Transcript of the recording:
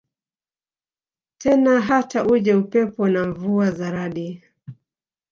tena Hata uje upepo na mvua za radi